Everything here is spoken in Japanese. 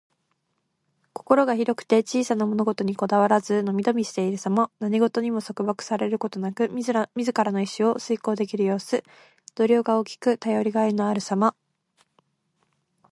心が広くて小さな物事にこだわらず、のびのびしているさま。何事にも束縛されることなく、自らの意志を遂行できる様子。度量が大きく、頼りがいのあるさま。